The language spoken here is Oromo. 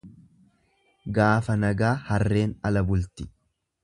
Gaafa nagaa harreen ala bulti.